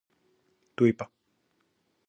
του είπα